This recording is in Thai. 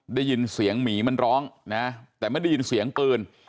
ได้ยินเสียงหมีมันร้องนะแต่ไม่ได้ยินเสียงปืน